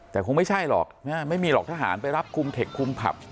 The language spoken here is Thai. แต่คงไม่ใช่หรอกไม่มีหรอกทหารไปรับคุมเทคคุมผับ